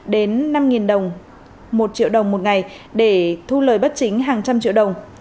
đến năm đồng một triệu đồng một ngày để thu lời bất chính hàng trăm triệu đồng